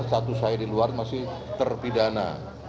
status saya di luar masih terpidana